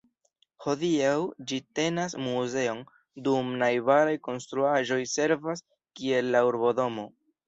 Hodiaŭ ĝi tenas muzeon, dum najbaraj konstruaĵoj servas kiel la Urbodomo.